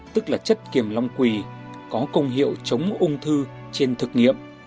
tức là chất kiểm long quỳ có công hiệu chống ung thư trên thực nghiệm